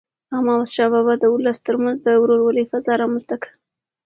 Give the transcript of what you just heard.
احمدشاه بابا د ولس تر منځ د ورورولی فضا رامنځته کړه.